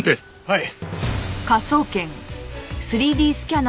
はい！